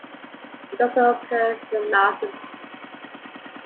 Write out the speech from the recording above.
It also occurs in masses.